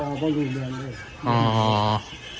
บ่ลูเบียงเลย